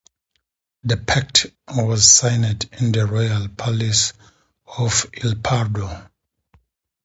The pact was signed in the Royal Palace of El Pardo.